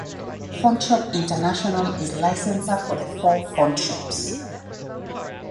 FontShop International is licensor for the four FontShops.